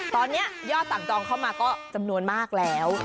ตอนนี้ยอดสั่งจองเข้ามาก็จำนวนมากแล้ว